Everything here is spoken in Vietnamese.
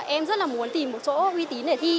em rất là muốn tìm một chỗ uy tín để thi